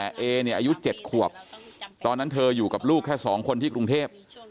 แต่เอเนี่ยอายุ๗ขวบตอนนั้นเธออยู่กับลูกแค่๒คนที่กรุงเทพ